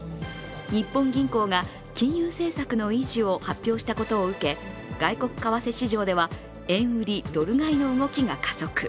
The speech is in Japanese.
日本銀行が金融政策の維持を発表したことを受け、外国為替市場では円売りドル買いの動きが加速。